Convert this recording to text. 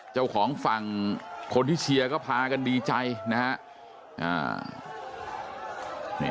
เจ้าของฝั่งคนที่เชียร์ก็พากันดีใจนะฮะ